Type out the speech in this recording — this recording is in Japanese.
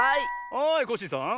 はいコッシーさん。